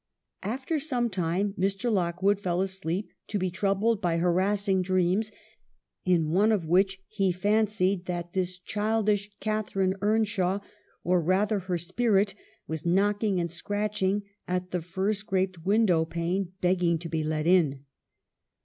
After some time Mr. Lockwood fell asleep, to be troubled by harass ing dreams, in one of which he fancied that this childish Catharine Earnshaw, or rather her spirit, was knocking and scratching at the fir scraped window pane, begging to be let in.